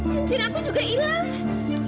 cincin aku juga ilang